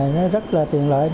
nó rất là tiện lợi